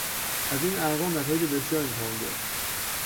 از این ارقام نتایج بسیاری میتوان گرفت.